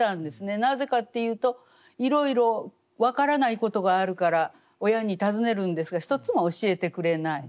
なぜかっていうといろいろ分からないことがあるから親に尋ねるんですが一つも教えてくれない。